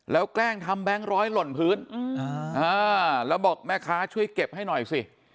แล้วแกล้งทำแบงค์ร้อยหล่นพื้นแล้วบอกแม่ค้าช่วยเก็บให้หน่อยสิ